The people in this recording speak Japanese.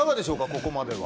ここまでは。